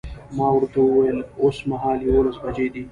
ما ورته وویل اوسمهال یوولس بجې دي.